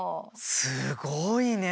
すごいね！